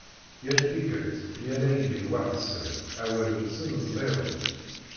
Yal tikkelt mi ara ilin weḥḥed-sen awal-nsen ẓid.